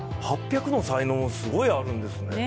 ８００の才能、すごいあるんですね。